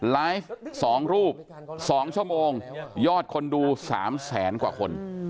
ไลฟ์๒รูป๒ชั่วโมงยอดคนดู๓แสนกว่าคน